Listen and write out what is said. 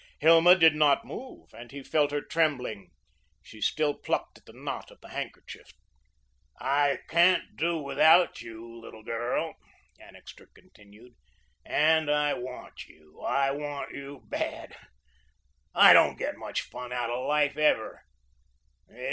Hilma did not move, and he felt her trembling. She still plucked at the knot of the handkerchief. "I can't do without you, little girl," Annixter continued, "and I want you. I want you bad. I don't get much fun out of life ever.